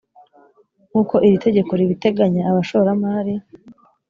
nk uko iri tegeko ribiteganya abashoramari